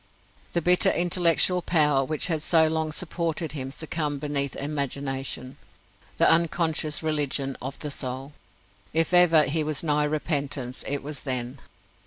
The bitter intellectual power which had so long supported him succumbed beneath imagination the unconscious religion of the soul. If ever he was nigh repentance it was then.